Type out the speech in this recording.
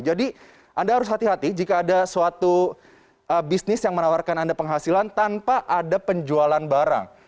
jadi anda harus hati hati jika ada suatu bisnis yang menawarkan anda penghasilan tanpa ada penjualan barang